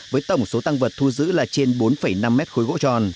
với tổng số tăng vật thu giữ là trên bốn năm mét khối gỗ tròn